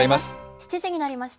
７時になりました。